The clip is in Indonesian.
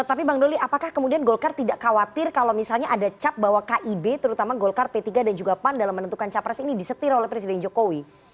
tapi bang doli apakah kemudian golkar tidak khawatir kalau misalnya ada cap bahwa kib terutama golkar p tiga dan juga pan dalam menentukan capres ini disetir oleh presiden jokowi